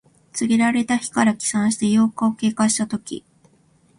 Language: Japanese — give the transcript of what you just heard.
告げられた日から起算して八日を経過したとき。